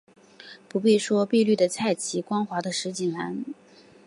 不必说碧绿的菜畦，光滑的石井栏